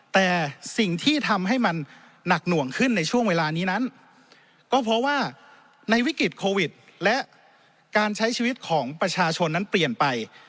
แต่สิ่งที่ทำให้มันหนักหน่วงขึ้นในช่วงเวลานี้นั้นก็เพราะว่าในวิกฤตโควิดและการใช้ชีวิตของประชาชนนั้นเปลี่ยนไป